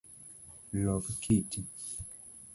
Lok kiti